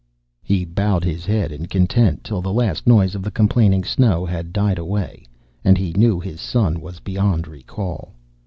He bowed his head in content till the last noise of the complaining snow had died away, and he knew his son was beyond recall.